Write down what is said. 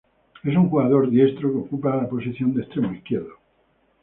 Es un jugador diestro que ocupa la posición de extremo izquierdo.